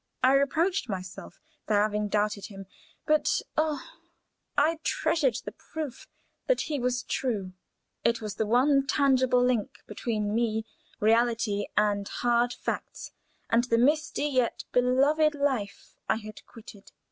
I reproached myself for having doubted him, but oh, I treasured the proof that he was true! It was the one tangible link between me, reality, and hard facts, and the misty yet beloved life I had quitted.